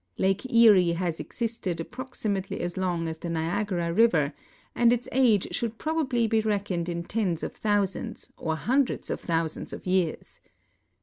Lake Erie has existed api)roximately as long as the Niagara river, and its age should i)r()l)al)ly be reckoned in tens of tliou sands or hundreds of thousands of years.